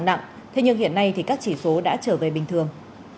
nặng thế nhưng hiện nay thì các chỉ số đã trở về bình thường